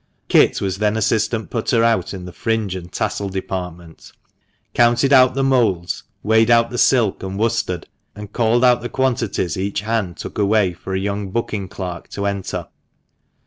Kit was then assistant putter out in the fringe and tassel department, counted out the moulds, weighed out silk and worsted, and called out the quantities each hand took away, for a young booking clerk to enter.